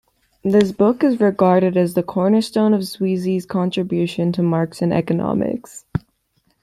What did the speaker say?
This book is regarded as the cornerstone of Sweezy's contribution to Marxian economics.